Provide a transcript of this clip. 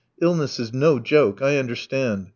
Illness is no joke, I understand.